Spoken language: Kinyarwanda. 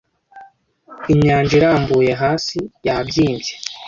Inyanja irambuye hasi-yabyimbye,